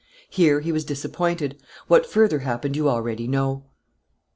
Here he was disappointed. What further happened you already know."